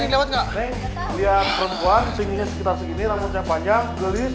lihat perempuan tingginya sekitar segini rambutnya panjang gelis